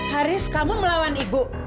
haris kamu melawan ibu